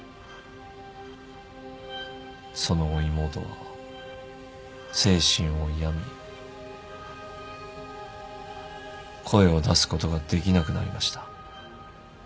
その後妹は精神を病み声を出すことができなくなりました。